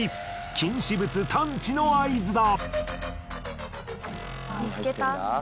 禁止物探知の合図だ。